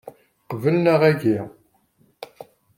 Qbel neɣ agi.